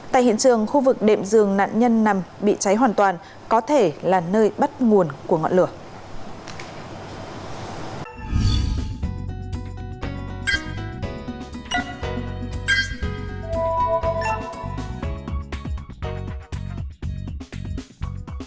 tại hiện trường khu vực đệm dường nạn nhân nằm bị cháy hoàn toàn có thể là nơi bắt nguồn của ngọn lửa